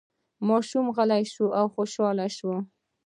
ماشوم غلی شو او خوشحاله شو.